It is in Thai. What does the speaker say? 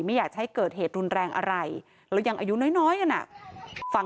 ไม่อยากให้เกิดเหตุรุนแรงอะไรแล้วยังอายุน้อยกันอ่ะฟัง